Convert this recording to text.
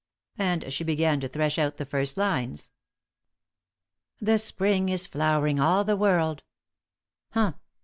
And she began to thresh out the first lines. "The spring is flowering all the world " "Humph!"